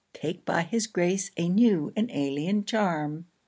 Take by his grace a new and alien charm.